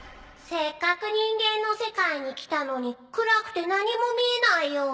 せっかく人間の世界に来たのに暗くて何も見えないよ。